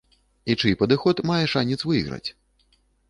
І чый падыход мае шанец выйграць?